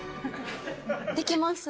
できます。